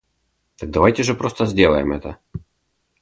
Так давайте же просто сделаем это!